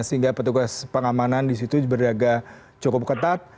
sehingga petugas pengamanan di situ berdaga cukup ketat